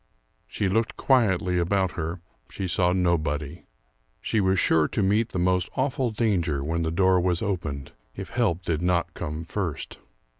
She looked quietly about her; she saw nobody. She was sure to meet the most awful danger when the door was opened, if help did not come first.